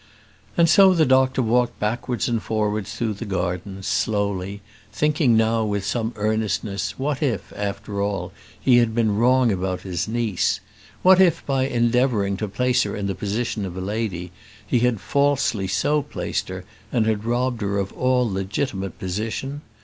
And so the doctor walked backwards and forwards through the garden, slowly, thinking now with some earnestness what if, after all, he had been wrong about his niece? What if by endeavouring to place her in the position of a lady, he had falsely so placed her, and robbed her of all legitimate position?